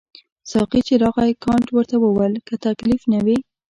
ساقي چې راغی کانت ورته وویل که تکلیف نه وي.